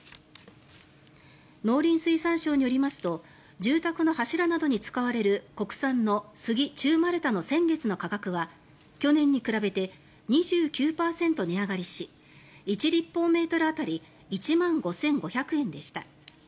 農林水産省によりますと住宅の柱などに使われる国産のスギ中丸太の先月の価格は去年に比べて２９％値上がりし１立方メートル当たり１万５５００円でした。